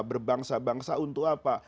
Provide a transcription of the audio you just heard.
berbangsa bangsa untuk apa